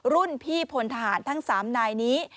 รุ่นพี่พลทหารทั้ง๓นายนี้